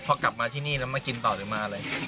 พอกลับมาที่นี่แล้วมากินต่อหรือมาเลย